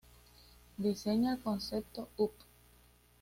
Diseña el concepto "Up!